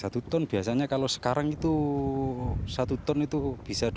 satu ton biasanya kalau sekarang itu satu ton itu bisa dua ratus